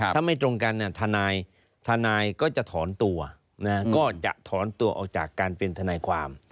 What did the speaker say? ถ้าไม่ตรงกันทนายก็จะถอนตัวก็จะถอนตัวออกจากการเป็นทนายความ